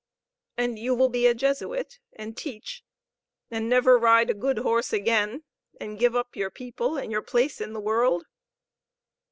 "And you will be a Jesuit, and teach, and never ride a good horse again, and give up your people and your place in the world!"